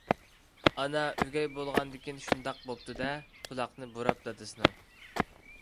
ئانا ئۆگەي بولغاندىكىن شۇنداق بوپتۇ-دە، قۇلاقنى بۇراپ دادىسىنىڭ...